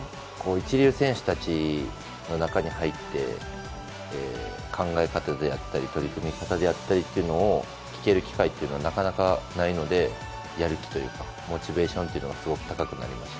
一流選手たちの中に入って考え方であったり取り組み方であったりというのを聞ける機会はなかなかないのでやる気というかモチベーションというのがすごく高くなりました。